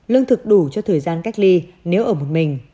lương thực đủ cho thời gian cách ly nếu ở một mình